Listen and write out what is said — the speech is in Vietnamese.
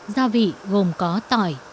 gia vị gồm có tỏi ớt nước chanh hoặc giấm đường muối